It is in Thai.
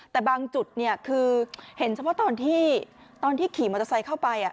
แต่บางจุดเนี่ยคือเห็นเฉพาะตอนที่ตอนที่ขี่มอเตอร์ไซค์เข้าไปอ่ะ